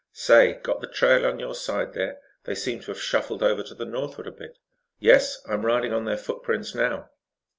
Say, got the trail on your side there? They seem to have shuffled over to the northward a bit." "Yes, I'm riding on their footprints now."